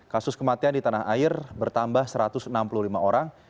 kasus kematian di tanah air bertambah satu ratus enam puluh lima orang